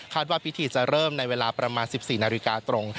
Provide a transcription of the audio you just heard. ว่าพิธีจะเริ่มในเวลาประมาณ๑๔นาฬิกาตรง